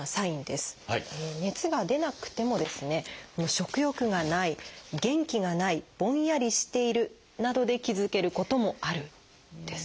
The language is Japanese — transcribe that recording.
食欲がない元気がないぼんやりしているなどで気付けることもあるんです。